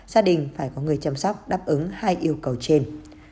gia đình phải có người chăm sóc đáp ứng hai yêu cầu trên